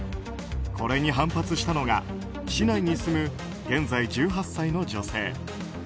これに反発したのが市内に住む現在１８歳の女性。